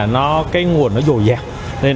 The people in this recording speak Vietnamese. nó cái nguồn nó dồi dàng